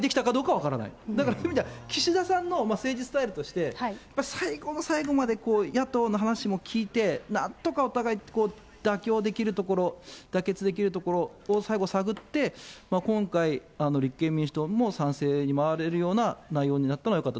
だから、そういう意味では、岸田さんの政治スタイルとして、最後の最後まで野党の話も聞いて、なんとかお互い妥協できるところ、妥結できるところを最後探って、今回、立憲民主党も賛成に回れるような内容になったのはよかった。